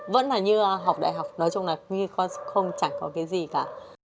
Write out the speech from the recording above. vẫn là như học đại học nói chung là không chẳng có cái gì cả